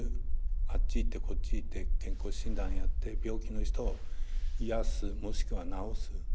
あっち行ってこっち行って健康診断やって病気の人を癒やすもしくは治す。